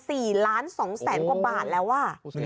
สี่ล้านสองแสนกว่าบาทแล้วอ่ะ